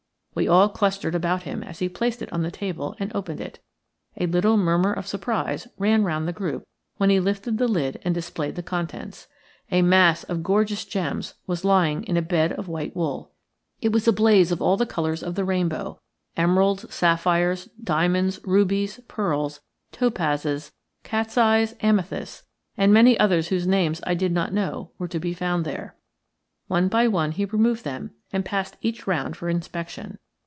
We all clustered about him as he placed it on the table and opened it. A little murmur of surprise ran round the group when he lifted the lid and displayed the contents. A mass of gorgeous gems was lying in a bed of white wool. It was a blaze of all the colours of the rainbow. Emeralds, sapphires, diamonds, rubies, pearls, topazes, cats' eyes, amethysts, and many others whose names I did not know were to be found there. One by one he removed them and passed each round for inspection.